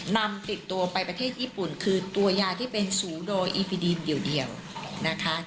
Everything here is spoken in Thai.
นำติดตัวไปประเทศญี่ปุ่นคือตัวยาที่เป็นสูโดยอีพิดีนเดียวนะคะ